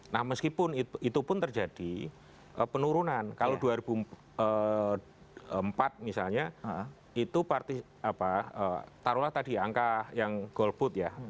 nah meskipun itu pun terjadi penurunan kalau dua ribu empat misalnya itu taruhlah tadi angka yang golput ya